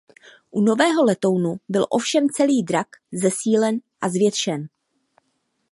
U nového letounu byl ovšem celý drak zesílen a zvětšen.